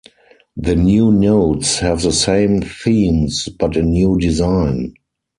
The new notes have the same themes but a new design.